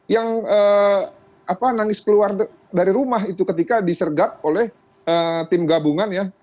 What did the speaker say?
yang nangis keluar dari rumah itu ketika disergap oleh tim gabungan ya